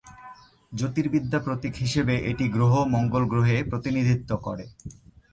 জ্যোতির্বিদ্যা প্রতীক হিসাবে এটি গ্রহ মঙ্গল গ্রহে প্রতিনিধিত্ব করে।